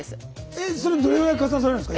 えそれどれぐらい加算されるんですか？